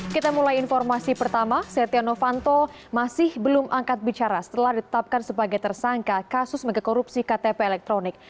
kita mulai informasi pertama setia novanto masih belum angkat bicara setelah ditetapkan sebagai tersangka kasus megakorupsi ktp elektronik